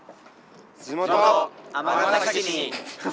地元・尼崎市に。